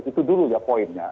itu dulu ya poinnya